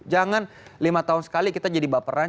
jangan lima tahun sekali kita jadi baperan